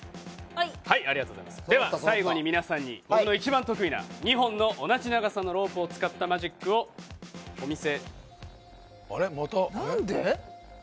では最後に皆さんに僕の一番得意な２本の同じ長さのロープを使ったマジックをお見せ。